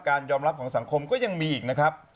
ยอมรับของสังคมก็ยังมีอีกนะครับ